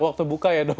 waktu buka ya dok